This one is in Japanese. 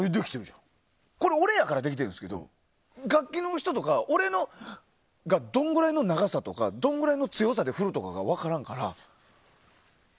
これは俺やからできてるんですけど楽器の人とか俺のスッがどのくらいの長さとかどんくらいの強さで振るとかが分からないから。